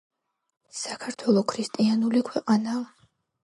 საქართველო ქრისტიანული ქვეყანაა